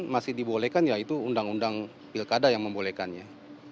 masih dibolehkan ya itu undang undang pilkada yang membolehkannya